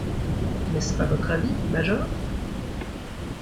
N’est-ce pas votre avis, major ?